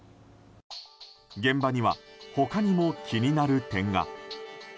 現場には他にも気になる点が。